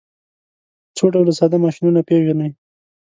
څو ډوله ساده ماشینونه پیژنئ.